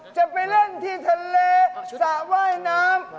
จะไปเล่นที่ทะเลสระว่ายน้ำ